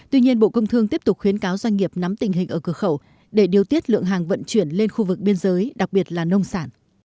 tuy nhiên bộ công thương tiếp tục khuyến cáo doanh nghiệp nắm tình hình ở cửa khẩu để điều tiết lượng hàng vận chuyển lên khu vực biên giới đặc biệt là nông sản